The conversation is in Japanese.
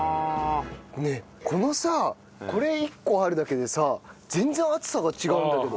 ねえこのさこれ一個あるだけでさ全然暑さが違うんだけど。